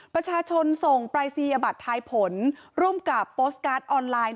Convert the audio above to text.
ประชาชนส่งปรายศนียบัตรทายผลร่วมกับโพสต์การ์ดออนไลน์